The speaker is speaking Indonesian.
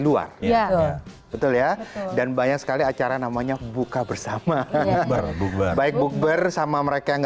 luar ya betul ya dan banyak sekali acara namanya buka bersama baik bukber sama mereka yang